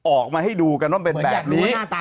ออกมาให้ดูกันว่าเป็นแบบนี้